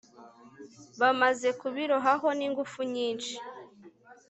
bamaze kubirohaho n'ingufu nyinshi